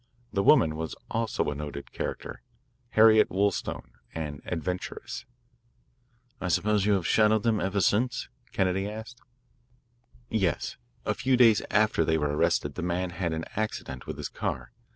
The woman was also a noted character Harriet Wollstone, an adventuress." "I suppose you have shadowed them ever since?" Kennedy asked. "Yes, a few days after they were arrested the man had an accident with his car.